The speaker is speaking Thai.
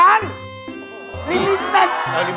แล้วก็ลูกชายฉันน่ะซื้อเซอร์ไพรส์วันเกิดแฟนคันหนึ่ง